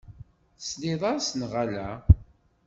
Tesliḍ-as, neɣ ala?